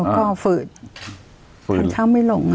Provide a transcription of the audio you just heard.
ก็ฝืดทานข้าวไม่ลง